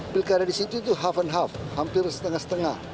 pilkada di situ itu half and half hampir setengah setengah